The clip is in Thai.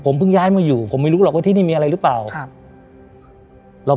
ผมเพิ่งย้ายมาอยู่ผมไม่รู้หรอกว่าที่นี่มีอะไรหรือเปล่าครับ